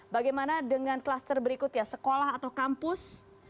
bagaimana dengan kluster berikut ya sekolah atau kampus